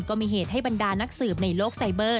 ก็มีเหตุให้บรรดานักสืบในโลกไซเบอร์